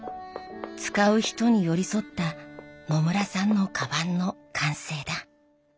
使う人に寄り添った野村さんのかばんの完成だ。